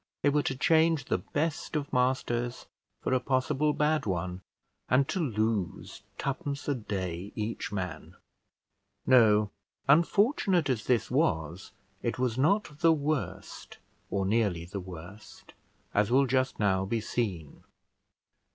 They were to change the best of masters for a possible bad one, and to lose twopence a day each man! No; unfortunate as this was, it was not the worst, or nearly the worst, as will just now be seen.